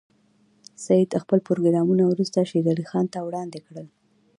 سید خپل پروګرامونه وروسته شېر علي خان ته وړاندې کړل.